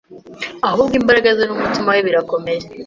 ahubwo imbaraga ze n’umtima we birakomeye